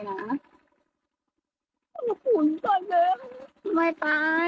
ขอบคุณครับ